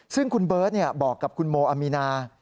ซึ่งคุณเบิร์ตบอกกับคุณโมอามีนา